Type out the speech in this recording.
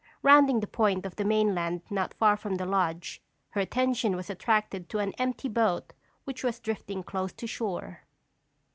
Rounding the point of the mainland not far from the lodge, her attention was attracted to an empty boat which was drifting close to shore.